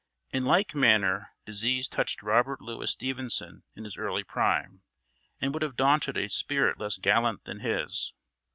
In like manner disease touched Robert Louis Stevenson in his early prime, and would have daunted a spirit less gallant than his.